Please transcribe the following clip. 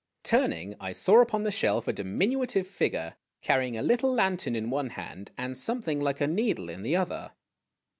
Turning, I saw upon the shelf a diminutive figure carrying a little lantern in one hand, and something like a needle in the other.